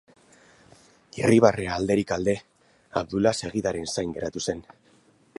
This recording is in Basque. Irribarrea alderik alde, Abdula segidaren zain geratu zen.